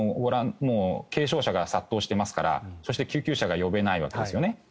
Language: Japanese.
軽症者が殺到していますからそして救急車が呼べないわけですね。